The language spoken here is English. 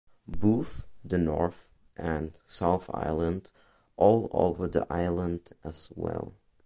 Both the North and South Island all over the Island as well.